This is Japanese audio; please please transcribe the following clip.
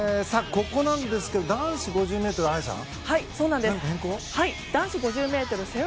ここなんですが男子５０ｍ、綾さん。